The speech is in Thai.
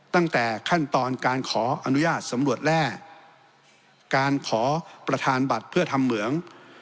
ตั้งแต่ขั้นตอนการขออนุญาตสำรวจแร่การขอประธานบัตรเพื่อทำเหมือง